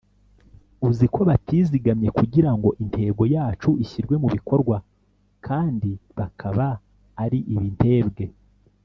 uziko batizigamye kugira ngo intego yacu ishyirwe mu bikorwa kandi bakaba ari ibintebwe